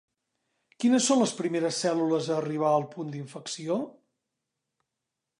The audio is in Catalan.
Quines són les primeres cèl·lules a arribar al punt d'infecció?